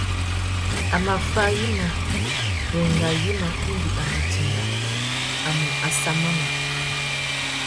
A mà fá yïmá, wenga yïmá indi a mù dinga, a mù assamana.